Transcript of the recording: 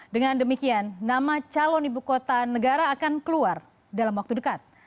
dengan demikian nama calon ibu kota negara akan keluar dalam waktu dekat